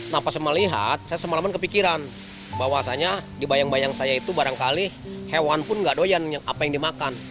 nah pas melihat saya semalaman kepikiran bahwasannya dibayang bayang saya itu barangkali hewan pun gak doyan apa yang dimakan